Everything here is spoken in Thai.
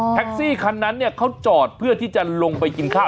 แท็กซี่คันนั้นเขาจอดเพื่อที่จะลงไปกินข้าว